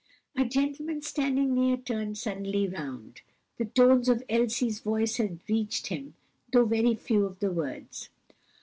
A gentleman standing near turned suddenly round. The tones of Elsie's voice had reached him, though very few of the words.